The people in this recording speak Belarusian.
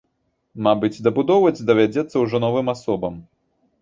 Мабыць, дабудоўваць давядзецца ўжо новым асобам.